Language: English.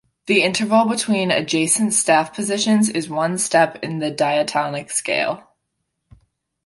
The interval between adjacent staff positions is one step in the diatonic scale.